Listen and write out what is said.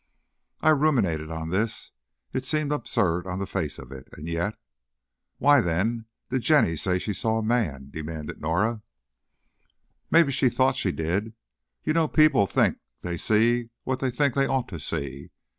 I ruminated on this. It seemed absurd on the face of it, and yet "Why, then, did Jenny say she saw a man?" demanded Norah. "Maybe she thought she did, you know people think they see what they think they ought to see.